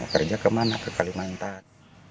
kerja kemana ke kalimantan